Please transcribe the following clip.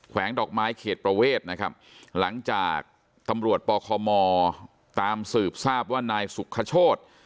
วงดอกไม้เขตประเวทนะครับหลังจากตำรวจปคมตามสืบทราบว่านายสุขโชธ